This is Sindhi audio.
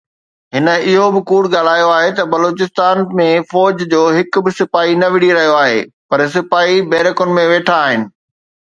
هن اهو به ڪوڙ ڳالهايو آهي ته بلوچستان ۾ فوج جو هڪ به سپاهي نه وڙهي رهيو آهي، پر سپاهي بيرڪن ۾ ويٺا آهن.